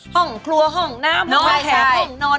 ห้องครัวห้องน้ำนอนแถบห้องนอน